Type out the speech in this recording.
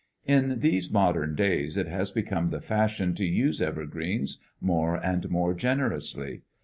In these modern days it has become the fashion to use evergreens more and more generously.